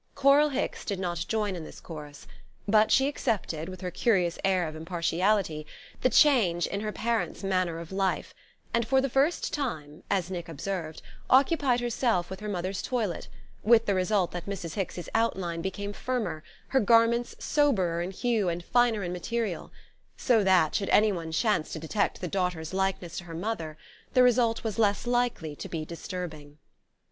Coral Hicks did not join in this chorus; but she accepted, with her curious air of impartiality, the change in her parents' manner of life, and for the first time (as Nick observed) occupied herself with her mother's toilet, with the result that Mrs. Hicks's outline became firmer, her garments soberer in hue and finer in material; so that, should anyone chance to detect the daughter's likeness to her mother, the result was less likely to be disturbing.